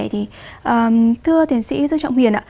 thưa tiến sĩ dương trọng huyền